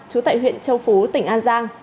chú tại huyện châu phú tỉnh an giang